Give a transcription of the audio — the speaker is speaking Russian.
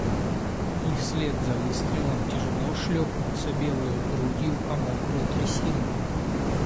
И вслед за выстрелом тяжело шлепнулся белою грудью о мокрую трясину.